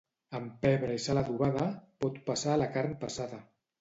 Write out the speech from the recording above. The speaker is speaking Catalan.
Amb pebre i sal adobada, pot passar la carn passada.